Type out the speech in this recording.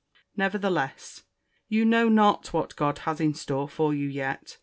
Nevertheless, you know not what God has in store for you yet!